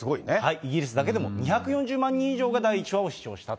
イギリスだけでも２４０万人以上が第１話を視聴したと。